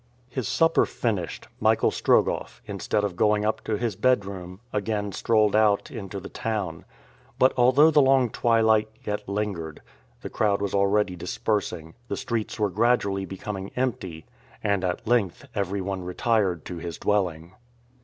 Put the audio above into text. His supper finished, Michael Strogoff, instead of going up to his bedroom, again strolled out into the town. But, although the long twilight yet lingered, the crowd was already dispersing, the streets were gradually becoming empty, and at length everyone retired to his dwelling.